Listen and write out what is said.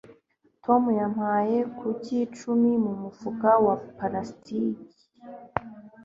Tom yampaye kuki icumi mumufuka wa plastiki.